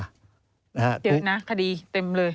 เยอะนะคดีเต็มเลย